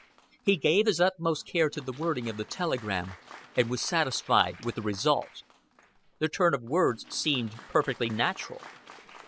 He gave his utmost care to the wording of the telegram and was satisfied with the result. The turn of words seemed perfectly natural.